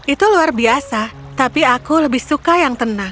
itu luar biasa tapi aku lebih suka yang tenang